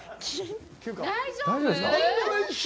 大丈夫？